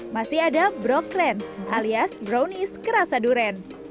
masih ada brokren alias brownies kerasa durian